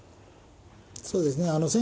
そうですね。